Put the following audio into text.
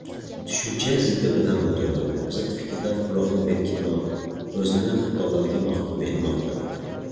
• Tushuncha ziddi bilan butundir. Zid fikrlarga quloqni berkitmoq, o‘zni xatolarga mahkum etmoqdir.